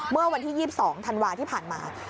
เมื่อวันที่๒๒ธันวาที่ผ่านมา